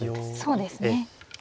そうですね。